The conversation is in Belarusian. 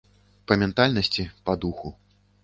Па ментальнасці, па духу.